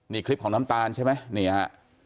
นี่คลิปของน้ำตาลใช่ไหมนี่ฮะ